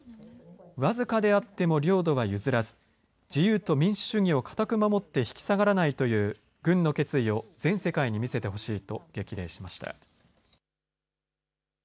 僅かであっても領土は譲らず自由と民主主義を堅く守って引き下がらないという軍の決意を全世界に見せてほしいと激励しました。